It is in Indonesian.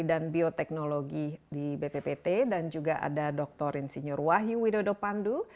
dan bioteknologi di bppt dan juga ada dr insinyur wahyu widodo pandu